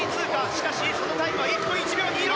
しかしそのタイムは１分１秒２６！